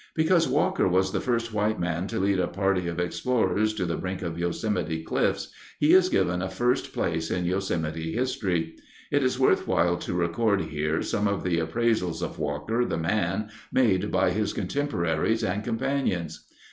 Because Walker was the first white man to lead a party of explorers to the brink of Yosemite's cliffs, he is given a first place in Yosemite history. It is worthwhile to record here some of the appraisals of Walker, the man, made by his contemporaries and companions.